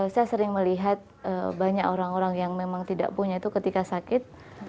saya sering melihat banyak orang orang yang memang tidak punya itu ketika sakit